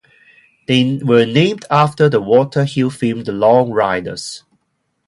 They were named after the Walter Hill film, "The Long Riders".